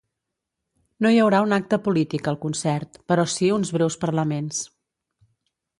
No hi haurà un acte polític al concert, però sí uns breus parlaments.